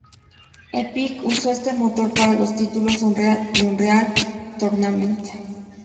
Epic usó este motor para los títulos "Unreal" y "Unreal Tournament".